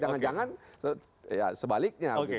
jangan jangan ya sebaliknya